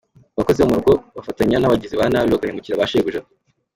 Abakozi bo mu rugo bafatanya n’abagizi ba nabi bagahemukira ba shebuja.